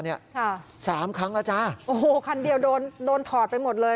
ค่ะสามครั้งแล้วจ้าโอ้โหคันเดียวโดนโดนถอดไปหมดเลย